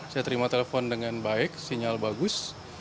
saya terima telepon dengan baik sinyal bagus